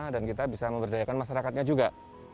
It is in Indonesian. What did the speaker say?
dan kita bisa memberdayakan masyarakatnya juga